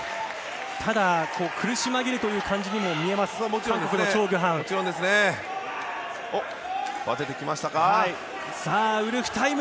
ただ、苦し紛れという感じにも見えます、チョ・グハム。